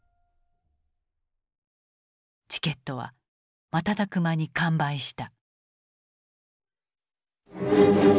チケットは瞬く間に完売した。